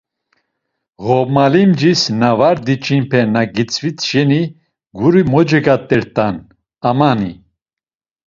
Ğomalimcis na var diç̌inpe na gitzvit şena guri mocegat̆ert̆an amani.